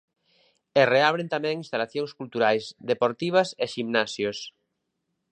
E reabren tamén instalacións culturais, deportivas e ximnasios.